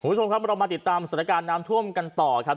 คุณผู้ชมครับเรามาติดตามสถานการณ์น้ำท่วมกันต่อครับ